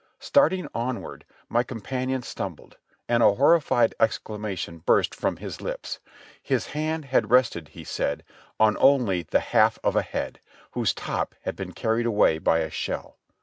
Starting onward my companion stumbled, and a horrified exclamation burst from his lips; his hand had rested, he said, on only the half of a head, whose top had been carried away by a shell.